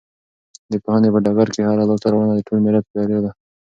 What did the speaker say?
د پوهنې په ډګر کې هره لاسته راوړنه د ټول ملت بریا ده.